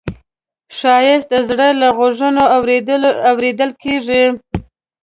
ښایست د زړه له غوږونو اورېدل کېږي